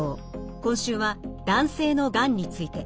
今週は男性のがんについて。